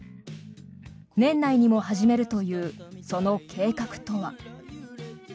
年内にも始めるというその計画とは。